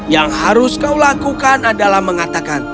yang harus kau lakukan adalah mengatakan